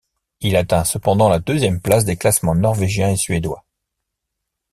Il atteint cependant la deuxième place des classements norvégiens et suédois.